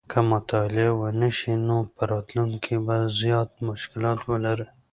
که مطالعه ونه شي نو په راتلونکي کې به زیات مشکلات ولري